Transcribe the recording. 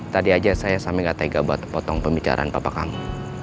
tadi aja saya sampai gak tega buat potong pembicaraan papa kamu